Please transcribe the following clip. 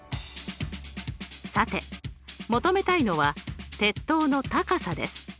さて求めたいのは鉄塔の高さです。